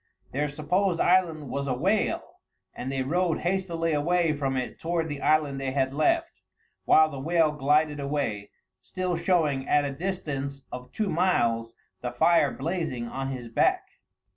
Their supposed island was a whale, and they rowed hastily away from it toward the island they had left, while the whale glided away, still showing, at a distance of two miles, the fire blazing on his back.